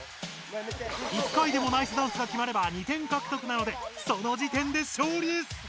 １回でもナイスダンスがきまれば２点獲得なのでそのじてんで勝利です。